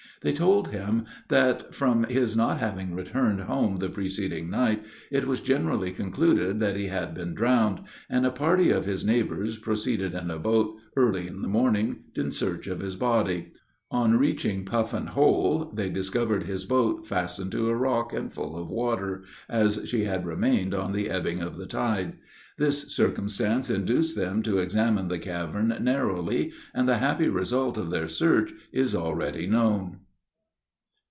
They told him that, from his not having returned home the preceding night, it was generally concluded that he had been drowned, and a party of his neighbors proceeded in a boat, early in the morning, in search of his body. On reaching "Puffin Hole," they discovered his boat fastened to a rock, and full of water, as she had remained on the ebbing of the tide. This circumstance induced them to examine the cavern narrowly, and the happy result of their search is already known.